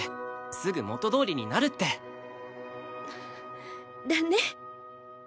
すぐ元どおりになるって。だね。